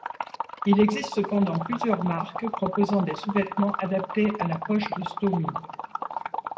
Il existe cependant plusieurs marques proposant des sous-vêtements adaptés à la poche de stomie.